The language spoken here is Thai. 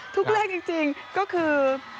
ทุกเลขจริงก็คือ